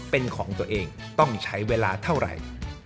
เป็นของตัวเองต้องใช้เวลาเท่าไหร่